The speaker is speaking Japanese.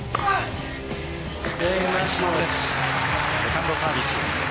セカンドサービス。